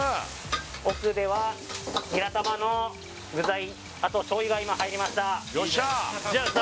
奥ではニラ玉の具材あとしょうゆが今入りましたよっしゃーじゃあさ